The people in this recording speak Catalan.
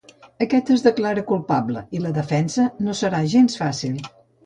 Aquest es declara culpable, i la defensa no serà gens fàcil.